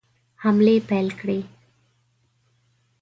حملې پیل کړې.